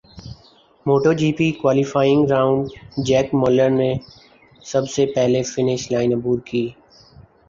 motto G P qualifying round Jack Miller نے سب سے پہلے فنش لائن عبور کی